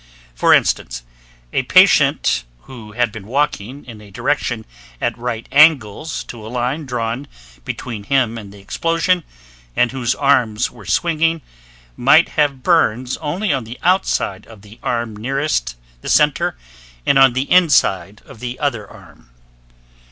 For instance, a patient who had been walking in a direction at right angles to a line drawn between him and the explosion, and whose arms were swinging, might have burns only on the outside of the arm nearest the center and on the inside of the other arm.